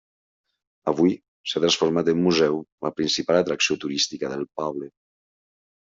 Avui, s'ha transformat en museu, la principal atracció turística del poble.